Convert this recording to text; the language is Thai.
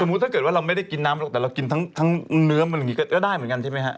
ถ้าเกิดว่าเราไม่ได้กินน้ำหรอกแต่เรากินทั้งเนื้อมันอย่างนี้ก็ได้เหมือนกันใช่ไหมฮะ